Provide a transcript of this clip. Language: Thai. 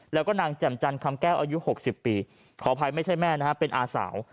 แล้วก็นางแจ่มจันคำแก้วอายุ๖๐ปีขออภัยไม่ใช่แม่นะฮะเป็นอาสาว